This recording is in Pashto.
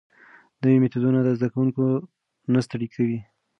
نوي میتودونه زده کوونکي نه ستړي کوي.